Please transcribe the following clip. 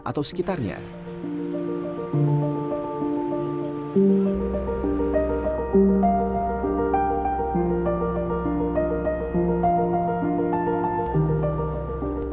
atau sebuah kota yang berada di dalam kota